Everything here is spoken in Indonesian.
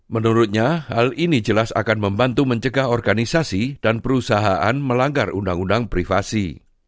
menurutnya hal ini jelas akan membantu mencegah organisasi dan perusahaan melanggar undang undang privasi